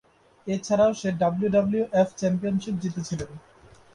এছাড়াও সে W W F championship জিতেছিলেন।